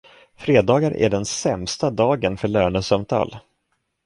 Fredagar är den sämsta dagen för lönesamtal